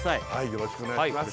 よろしくお願いします